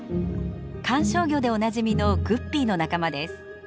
観賞魚でおなじみのグッピーの仲間です。